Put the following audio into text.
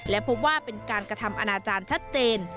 และพบว่าเป็นการกระทำอนาจารย์ชัดเจน